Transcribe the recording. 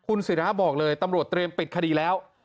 คุณศิราบอกเลยตำรวจเตรียมปิดคดีแล้ว